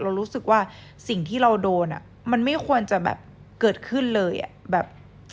เรารู้สึกว่าสิ่งที่เราโดนอ่ะมันไม่ควรจะแบบเกิดขึ้นเลยอ่ะแบบ